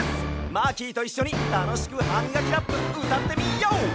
マーキーといっしょにたのしく「ハミガキラップ」うたってみよう！